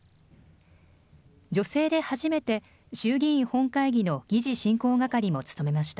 女性で初めて、衆議院本会議の議事進行係も務めました。